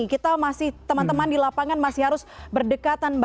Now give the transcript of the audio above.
kita masih teman teman di lapangan masih harus berdekatan